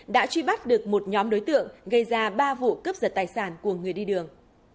đã truy bắt được một nhóm đối tượng gây ra ba vụ cướp giật tài sản của người đi đường